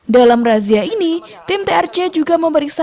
dalam razia ini tim trc juga memberi kesempatan